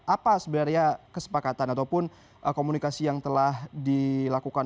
apa sebenarnya kesepakatan ataupun komunikasi yang telah dilakukan